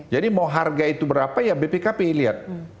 jadi mau harga itu berapa ya bpkp lihat